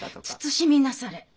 慎みなされ。